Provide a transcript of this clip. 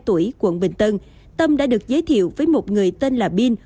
trong quá trình bắt giữ tâm đã được giới thiệu với một người tên là bin